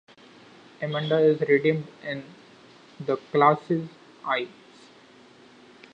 Amanda is redeemed in the class's eyes.